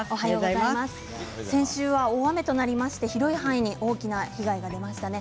先週は大雨となりまして広い範囲に大きな被害が出ましたね。